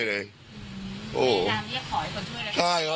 ไม่ตามเรียกขอให้คนช่วยเลย